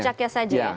puncaknya saja ya